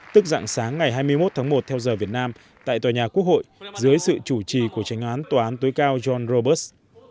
tức dạng sáng ngày hai mươi một tháng một theo giờ việt nam tại tòa nhà quốc hội dưới sự chủ trì của tránh án tòa án tối cao john robert